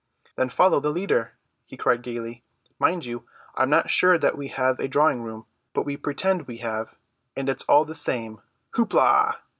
"Then follow the leader," he cried gaily. "Mind you, I am not sure that we have a drawing room, but we pretend we have, and it's all the same. Hoop la!"